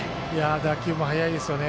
打球も速いですよね。